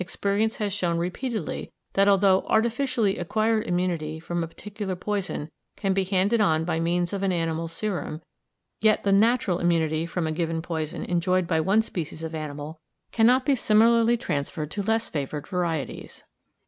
Experience has shown repeatedly that although artificially acquired immunity from a particular poison can be handed on by means of an animal's serum, yet the natural immunity from a given poison enjoyed by one species of animal cannot be similarly transferred to less favoured varieties.